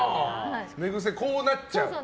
寝癖、こうなっちゃう。